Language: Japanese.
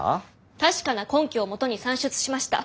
確かな根拠をもとに算出しました。